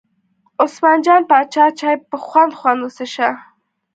عثمان جان پاچا چای په خوند خوند وڅښه.